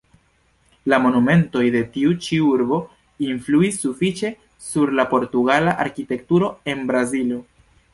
La monumentoj de tiu ĉi urbo influis sufiĉe sur la portugala arkitekturo en Brazilo.